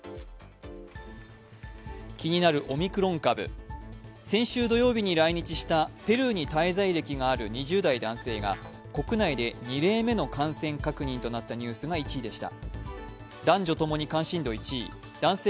気になるオミクロン株、先週土曜日に来日したペルーに滞在歴のある２０代の男性が国内で２例目の感染確認となったニュースが１位でした。